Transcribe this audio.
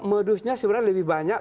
modusnya sebenarnya lebih banyak